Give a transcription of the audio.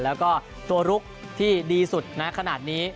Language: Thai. แล้วก็ตัวลุกที่ดีสุดนะขนาดนี้